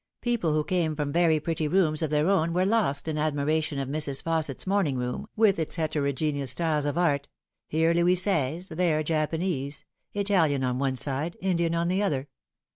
People who came from very pretty rooms of their own were lost in admiration at Mrs. Fausset's morning room, with its heterogeneous styles of art here Louis Seize, there Japanese ; Italian on one side, Indian on the other.